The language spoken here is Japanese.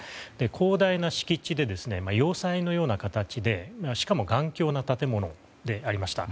広大な敷地で要塞のような形でしかも頑強な建物でありました。